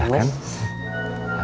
nunggu aja kan